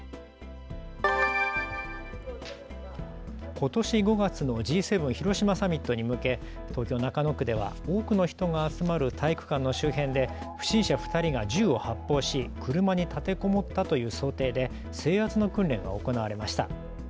ことし５月のＧ７広島サミットに向け、東京中野区では多くの人が集まる体育館の周辺で不審者２人が銃を発砲し車に立てこもったという想定で制圧の訓練が行われました。